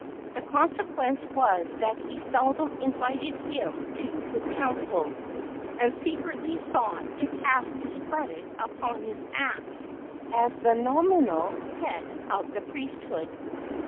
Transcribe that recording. The consequence was that he seldom invited him to his councils, and secretly sought to cast discredit upon his acts as the nominal head of the priesthood.